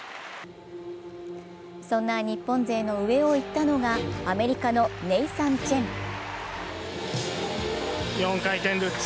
そんな日本勢の上をいったのがアメリカのネイサン・チェン。